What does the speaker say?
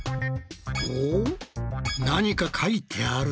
お何か書いてあるぞ。